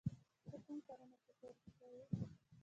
ته کوم کارونه په کور کې کوې؟